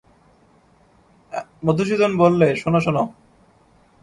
মধুসূদন বললে, শোনো, শোনো।